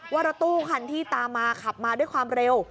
ว่ารถตู้คันที่ตามมาขับมาด้วยความเร็ว